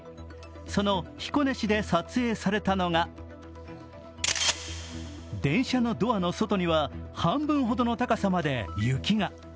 その彦根市で撮影されたのが電車のドアの外には半分ほどの高さまで雪が。